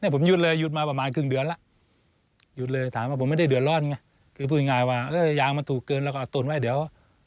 ผมยุดเลยมีไนฟ์มาประมาณครึ่งเดือนแล้ว